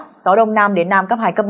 gió đông nam đến nam cấp hai cấp ba